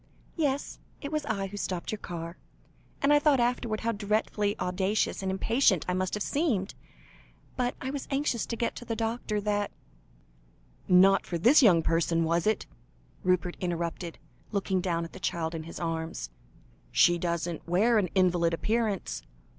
"Yes, it was I who stopped your car, and I thought afterwards how dreadfully audacious and impatient I must have seemed. But I was anxious to get quickly to the doctor, that " "Not for this young person, was it?" Rupert interrupted, looking down at the child in his arms "she doesn't wear an invalid appearance."